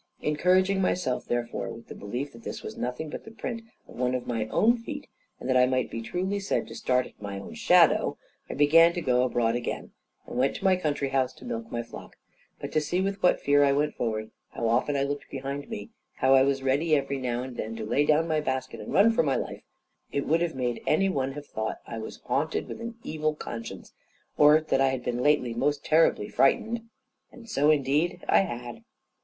Encouraging myself, therefore, with the belief that this was nothing but the print of one of my own feet, and that I might be truly said to start at my own shadow, I began to go abroad again, and went to my country house to milk my flock; but to see with what fear I went forward, how often I looked behind me, how I was ready every now and then to lay down my basket and run for my life, it would have made any one have thought I was haunted with an evil conscience, or that I had been lately most terribly frightened; and so, indeed, I had.